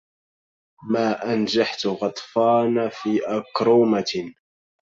ما أنجحت غطفان في أكرومة